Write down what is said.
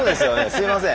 すみません。